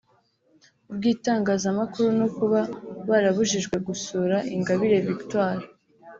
ubw’itangazamakuru no kuba barabujijwe gusura Ingabire Victoire